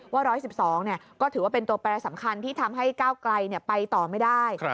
ว่า๑๑๒ก็ถือว่าเป็นตัวแปรสำคัญที่ทำให้ก้าวไกลไปต่อไม่ได้